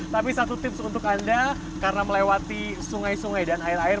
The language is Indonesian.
tapi satu tips untuk anda karena melewati sungai sungai dan air air